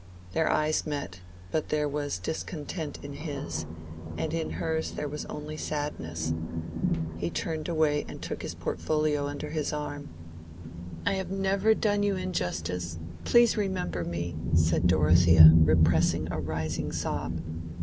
Their eyes met, but there was discontent in his, and in hers there was only sadness. He turned away and took his portfolio under his arm. "I have never done you injustice. Please remember me," said Dorothea, repressing a rising sob.